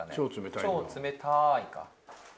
「超冷たい！」か。